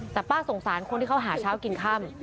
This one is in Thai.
แต่ป้าสงสารคนที่เขาหาเช้ากินค่ำ